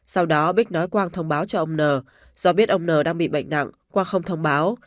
sau đó bích nói quang thông báo cho ông n do biết ông n đang bị bệnh nặng qua không thông báo